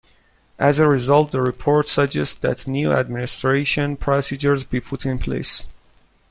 As a result, the report suggests that new administration procedures be put in place.